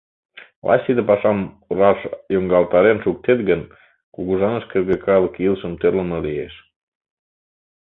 Лач тиде пашам раш йоҥгалтарен шуктет гын, кугыжаныш кӧргӧ калык илышым тӧрлымӧ лиеш.